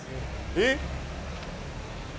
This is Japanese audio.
えっ！